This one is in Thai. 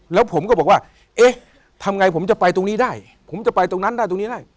แล้วผมก็บอกว่าเอ๊ะทำไงผมจะไปตรงนี้ได้ผมจะไปตรงนั้นได้ตรงนี้ได้